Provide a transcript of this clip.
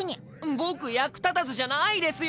僕役立たずじゃないですよ！